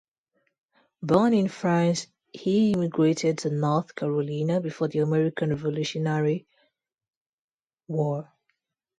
Born in France, he immigrated to North Carolina before the American Revolutionary War.